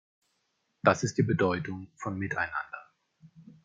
Das ist die Bedeutung von Miteinander.